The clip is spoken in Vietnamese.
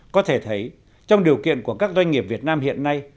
có thể thấy trong điều kiện của các doanh nghiệp việt nam hiện nay